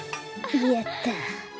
やった。